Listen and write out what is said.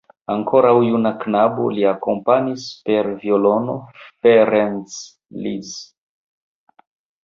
Ankoraŭ juna knabo, li akompanis per violono Ferenc Liszt.